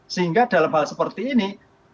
sehingga dalam hal seperti ini